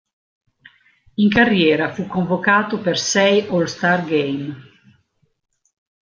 In carriera fu convocato per sei All-Star Game.